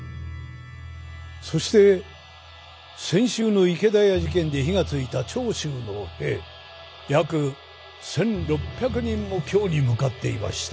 そして先週の池田屋事件で火がついた長州の兵約１，６００人も京に向かっていました。